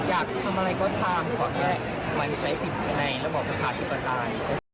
อยากทำอะไรก็ทำเพราะแค่มันใช้สิทธิ์ไว้ในระบบประชาธิปราณ